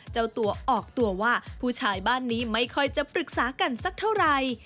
เจ้าตัวออกตัวว่าผู้ชายบ้านนี้ไม่ค่อยจะปรึกษากันสักเท่าไหร่